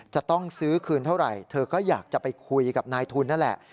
จะต้องซื้อคืนเท่าไหร่เธอก็อยากจะไปคุยกับนายทุนนั่นแหละ